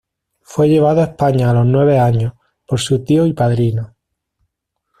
Fue llevado a España a los nueve años, por su tío y padrino.